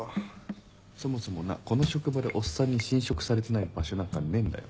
そもそもなこの職場でおっさんに侵食されてない場所なんかねえんだよ。